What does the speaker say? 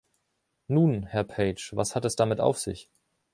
Nun, Herr Page, was hat es damit auf sich?